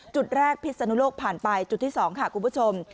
จุดแรกพิศนุโลกผ่านไปจุดที่๒ค่ะคุณผู้ชม